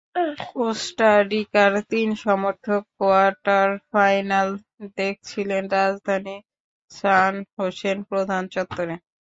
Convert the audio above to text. কোস্টারিকার তিন সমর্থক quarter final দেখছিলেন রাজধানী সান হোসের প্রধান চত্বরে।